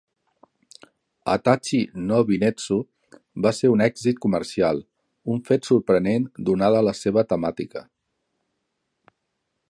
"Hatachi No Binetsu" va ser un èxit comercial, un fet sorprenent donada la seva temàtica.